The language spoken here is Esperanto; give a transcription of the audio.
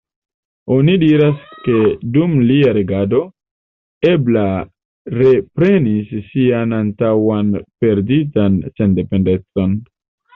Oni diras ke dum lia regado, Ebla reprenis sian antaŭan perditan sendependecon.